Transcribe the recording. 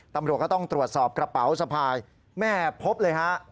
ตำรวจก็ต้องตรวจสอบกระเป๋าสะพายแม่พบเลยฮะ